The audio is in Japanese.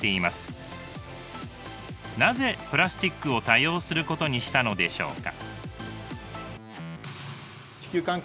なぜプラスチックを多用することにしたのでしょうか？